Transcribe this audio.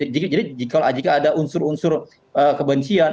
jadi jika ada unsur unsur kebencian